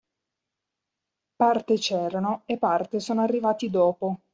Parte c'erano e parte sono arrivati dopo.